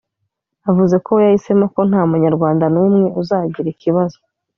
Avuze ko we yahisemo ko nta Munyarwanda n’umwe uzagira ikibazo